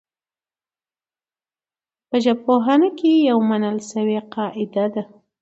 په ژبپوهنه کي يوه منل سوې قاعده ده.